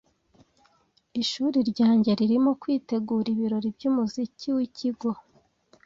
Ishuri ryanjye ririmo kwitegura ibirori byumuziki wikigo.